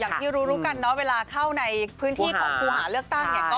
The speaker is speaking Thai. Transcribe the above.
อย่างที่รู้รู้กันเวลาเข้าในพื้นที่หาเลือกตั้ง